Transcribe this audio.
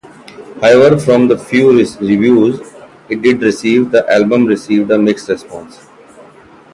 However, from the few reviews it did receive, the album received a mixed response.